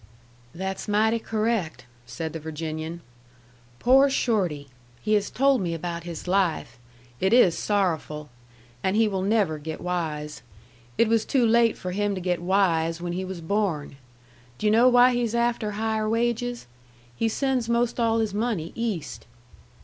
"That's mighty correct," said the Virginian. "Poor Shorty! He has told me about his life. It is sorrowful. And he will never get wise. It was too late for him to get wise when he was born. D' yu' know why he's after higher wages? He sends most all his money East."